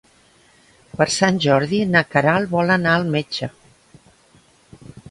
Per Sant Jordi na Queralt vol anar al metge.